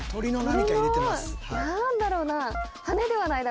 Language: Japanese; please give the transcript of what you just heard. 何だろうな。